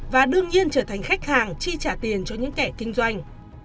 và đương nhiên trở thành khách hàng chi trả tiền cho những kẻ kinh doanh